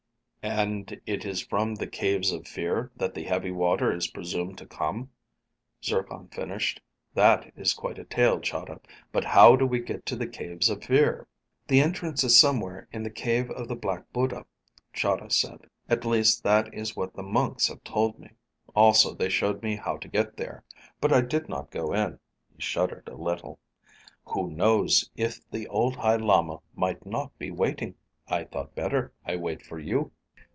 "And it is from the Caves of Fear that the heavy water is presumed to come," Zircon finished. "That is quite a tale, Chahda. But how do we get to the Caves of Fear?" "The entrance is somewhere in the Cave of the Black Buddha," Chahda said. "At least, that is what the monks have told me. Also, they showed me how to get there. But I did not go in." He shuddered a little. "Who knows if the old High Lama might not be waiting? I thought better I wait for you."